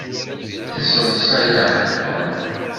Yesseḍṣa-yaɣ-d Tom.